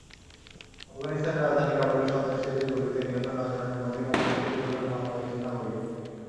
আফগানিস্তানের রাজধানী কাবুলে সন্ত্রাসীদের গুলিতে নিহত নয়জনের মধ্যে কমপক্ষে দুজন বাংলাদেশের নাগরিক।